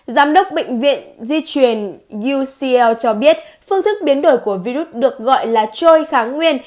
giám đốc bệnh viện di truyền ucr cho biết phương thức biến đổi của virus được gọi là trôi kháng nguyên